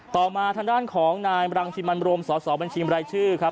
ต่อมาทางด้านของนายบรังสิมันโรมสสบัญชีบรายชื่อครับ